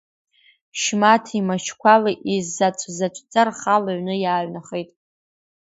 Шьмаҭи Машьқәалеи изаҵә-заҵәӡа, рхала аҩны иааҩнахеит.